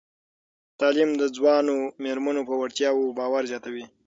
تعلیم د ځوانو میرمنو په وړتیاوو باور زیاتوي.